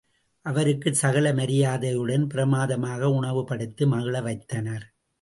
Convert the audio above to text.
அவருக்குச் சகல மரியாதையுடன் பிரமாதமாக உணவு படைத்து மகிழ வைத்தனர்.